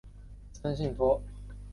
森信托则对此表达反对。